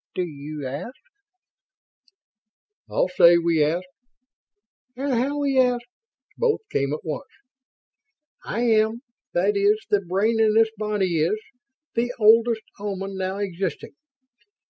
Do you ask?" "I'll say we ask!" "And how we ask!" both came at once. "I am that is, the brain in this body is the oldest Oman now existing.